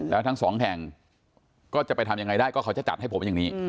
แล้วทั้งสองแห่งก็จะไปทำยังไงได้ก็เขาจะจัดให้ผมอย่างนี้